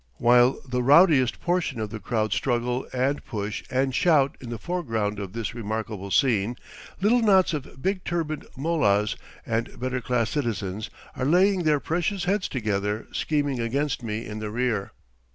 While the rowdiest portion of the crowd struggle and push and shout in the foreground of this remarkable scene, little knots of big turbaned mollahs and better class citizens are laying their precious heads together scheming against me in the rear.